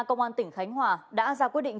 công an tỉnh khánh hòa đã ra quyết định